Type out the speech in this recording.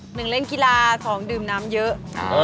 หนึ่งเล่นกีฬาสองดื่มน้ำเยอะ